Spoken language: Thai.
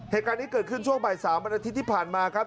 เหตุการณ์นี้เกิดขึ้นช่วงบ่าย๓วันอาทิตย์ที่ผ่านมาครับ